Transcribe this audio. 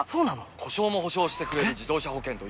故障も補償してくれる自動車保険といえば？